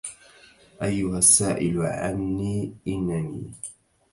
أيها السائل عني إنني